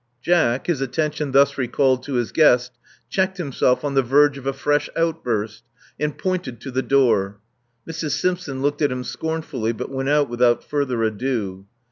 Jack, his attention thus recalled to his guest, checked himself on the verge of a fresh outburst, and pointed to the door. Mrs. Simpson looked at him scornfully, but went out without further ado.